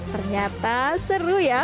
ternyata seru ya